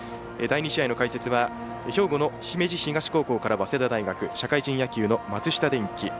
第２試合の解説は兵庫の姫路東高校から早稲田大学社会人野球の松下電器。